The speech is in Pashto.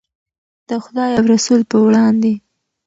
د خدای او رسول په وړاندې.